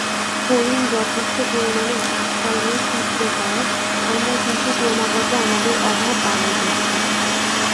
হরিণ যথেষ্ট পরিমাণে ঘাস পাইলেই তৃপ্ত হয়, আমরা কিন্তু ক্রমাগত আমাদের অভাব বাড়াইতেছি।